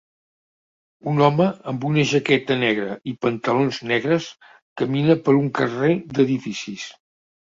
Un home amb una jaqueta negra i pantalons negres camina per un carrer d'edificis.